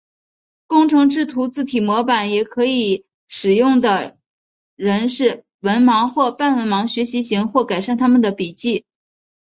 工程制图字体模板也可以使用的人是文盲或半文盲学习型或改善他们的笔迹。